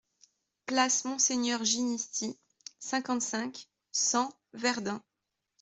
Place Monseigneur Ginisty, cinquante-cinq, cent Verdun